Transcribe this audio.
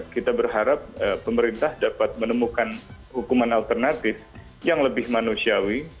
kita berharap pemerintah dapat menemukan hukuman alternatif yang lebih manusiawi